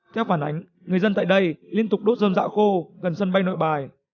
theo phản ánh người dân tại đây liên tục đốt dơm dạo khô gần sân bay nội bài